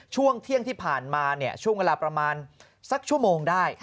ช่วงเที่ยงที่ผ่านมาช่วงเวลาประมาณสักชั่วโมงได้